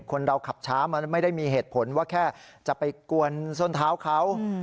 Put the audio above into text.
คนเราขับช้ามันไม่ได้มีเหตุผลว่าแค่จะไปกวนส้นเท้าเขา